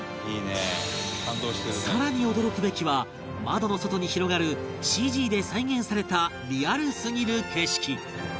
更に驚くべきは窓の外に広がる ＣＧ で再現されたリアルすぎる景色